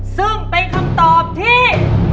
ซึ่งเป็นคำตอบที่